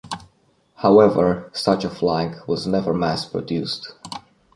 However, such a flag was never mass-produced.